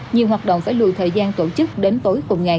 nhiều hoạt động phải lùi thời gian tổ chức đến tối cùng ngày